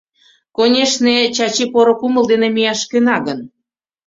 Конешне, Чачи поро кумыл дене мияш кӧна гын...